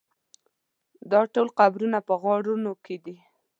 دا ټول قبرونه په غارونو کې دي.